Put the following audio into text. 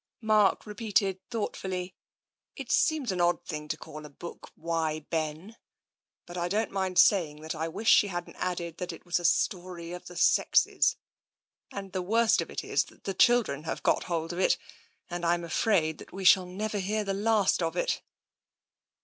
Mark repeated thoughtfully, " It seems an odd thing to call a book, ' Why, Ben !' but I don't mind saying that I wish she hadn't added that it was a story of the sexes — and the worst of it is that the children have got hold of it, and I'm afraid that we shall never hear the last of it."